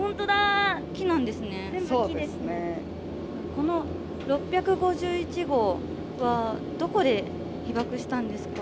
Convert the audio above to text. この６５１号はどこで被爆したんですか？